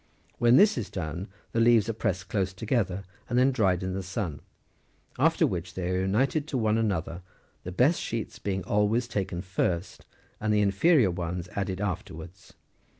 "When this is done, the leaves are pressed close together, and then dried in the sun ; after which they are united to one another, the best sheets being always taken first, and the infe rior ones added afterwards.